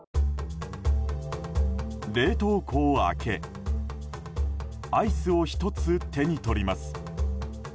冷凍庫を開けアイスを１つ手に取ります。